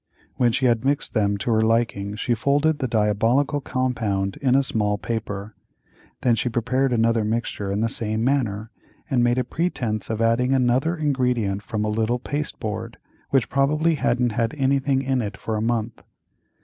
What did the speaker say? When she had mixed them to her liking she folded the diabolical compound in a small paper. Then she prepared another mixture in the same manner, and made a pretence of adding another ingredient from a little pasteboard box, which probably hadn't had anything in it for a month.